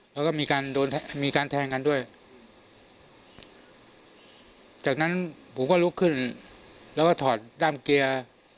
แล้วก็มีการโดนมีการแทงกันด้วยจากนั้นผมก็ลุกขึ้นแล้วก็ถอดด้ามเกียร์